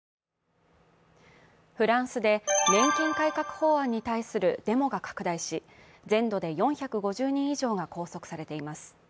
フランスで年金改革法案に対するデモが拡大し全土で４５０人以上が拘束されています。